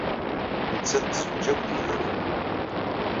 Nettat tezwej akked yedrimen.